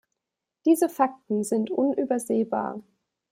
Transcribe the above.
Diese Fakten sind unübersehbar.